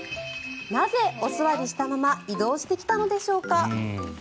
なぜ、お座りしたまま移動してきたのでしょうか。